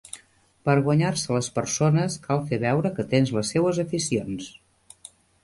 Per guanyar-se les persones cal fer veure que tens les seues aficions.